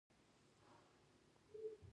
هو، لږ ووهل شوم